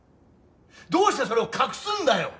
どうしてそれを隠すんだよ！